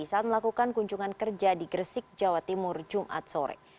saat melakukan kunjungan kerja di gresik jawa timur jumat sore